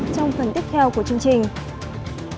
trong phần tiếp theo của chương trình